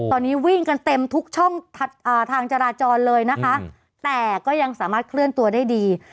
ตอนนี้วิ่งกันเต็มทุกช่องทางจราจรเลยนะคะแต่ก็ยังสามารถเคลื่อนตัวได้ดี